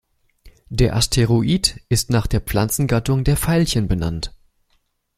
Der Asteroid ist nach der Pflanzengattung der Veilchen benannt.